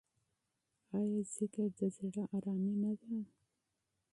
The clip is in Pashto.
آیا ذکر د زړه ارامي نه ده؟